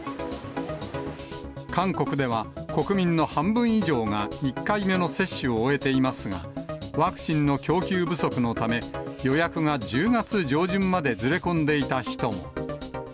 韓国では国民の半分以上が１回目の接種を終えていますが、ワクチンの供給不足のため、予約が１０月上旬までずれ込んでいた人も。